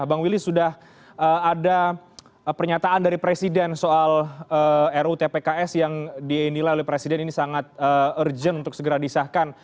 bang willy sudah ada pernyataan dari presiden soal rutpks yang dinilai oleh presiden ini sangat urgent untuk segera disahkan